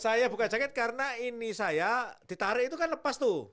saya buka jaket karena ini saya ditarik itu kan lepas tuh